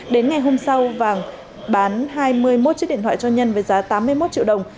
đến ngày hôm sau vàng bán hai mươi một chiếc điện thoại cho nhân với giá tám mươi một triệu đồng